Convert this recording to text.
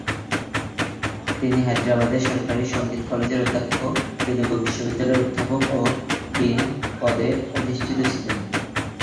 তিনি হায়দ্রাবাদের সরকারি সংগীত কলেজের অধ্যক্ষ, তেলুগু বিশ্ববিদ্যালয়ের অধ্যাপক ও ডিন পদে অধিষ্ঠিত ছিলেন।